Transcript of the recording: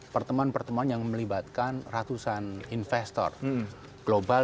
pertemuan pertemuan yang melibatkan ratusan investor global